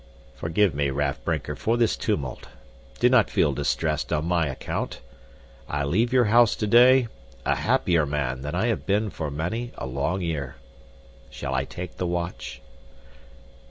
"Forgive me, Raff Brinker, for this tumult. Do not feel distressed on my account. I leave your house today a happier man than I have been for many a long year. Shall I take the watch?"